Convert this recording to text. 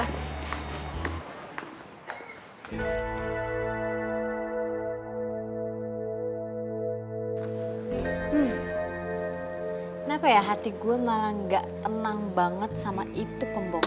kenapa ya hati gue malah gak tenang banget sama itu pembawa